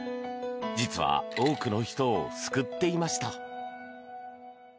実は、多くの人を救っていました。